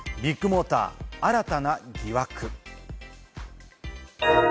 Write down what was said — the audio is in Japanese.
ビッグモーター、新たな疑惑。